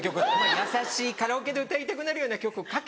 やさしいカラオケで歌いたくなるような曲を書け。